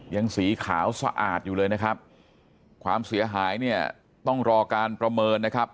ยังสีขาวสะอาดอยู่เลยนะครับความเสียหายเนี่ยต้องรอการประเมินนะครับ